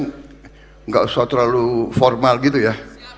tidak usah terlalu formal gitu ya